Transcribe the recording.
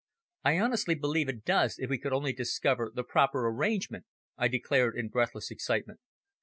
"I honestly believe it does if we could only discover the proper arrangement," I declared in breathless excitement.